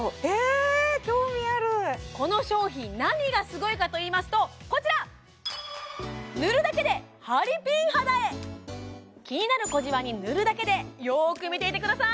この商品何がすごいかといいますとこちら気になる小じわに塗るだけでよーく見ていてください